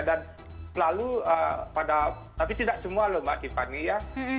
dan lalu pada tapi tidak semua loh mbak tiffany ya